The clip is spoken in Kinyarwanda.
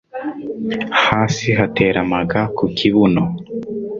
Hasi hatera amaga ku kibuno